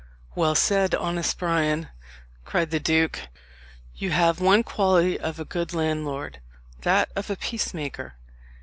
"Well said, honest Bryan," cried the duke; "you have one quality of a good landlord that of a peacemaker.